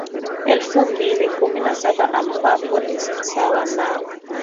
Elfu mbili kumi na saba ambapo ni sawa na